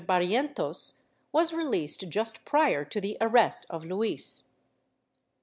Barrientos, was released just prior to the arrest of Luis.